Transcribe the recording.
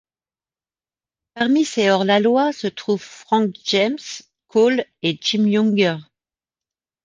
Parmi ces hors-la-loi, se trouvent Frank James, Cole et Jim Younger.